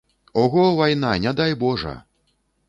Ого, вайна, не дай божа!